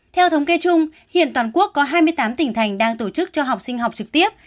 theo thống kê chung hiện toàn quốc có hai mươi tám tỉnh thành đang tổ chức cho học sinh học trực tiếp